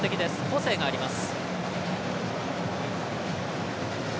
個性があります。